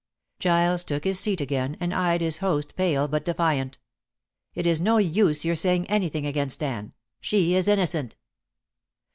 Giles took his seat again, and eyed his host pale but defiant. "It is no use your saying anything against Anne. She is innocent."